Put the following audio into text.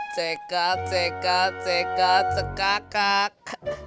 cekak cekak cekak cekakak